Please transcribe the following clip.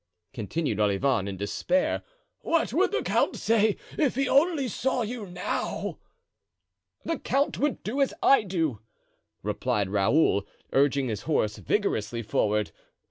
continued Olivain, in despair, "what would the count say if he only saw you now!" "The count would do as I do," replied Raoul, urging his horse vigorously forward.